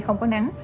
không có nắng